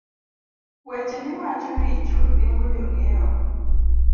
Weche miwacho richo riembo jong’iewo